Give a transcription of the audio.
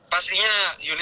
pastinya unit produksi